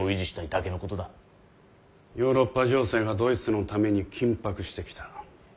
ヨーロッパ情勢がドイツのために緊迫してきた。